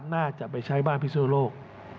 น่าจะไปใช้บ้านหลังโลก